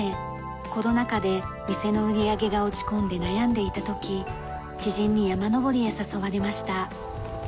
コロナ禍で店の売り上げが落ち込んで悩んでいた時知人に山登りへ誘われました。